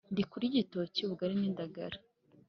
Ndikurya igitoki ubugari n’indagara